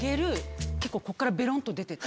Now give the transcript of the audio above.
結構ここからベロンと出てて。